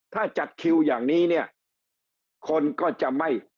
ถ้าจัดคิวอย่างนี้เนี่ยคนก็จะไม่